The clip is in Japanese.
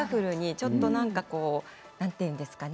ちょっと何て言うんですかね。